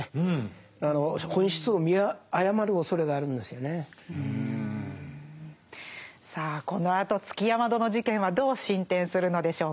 だからねやっぱりさあこのあと築山殿事件はどう進展するのでしょうか。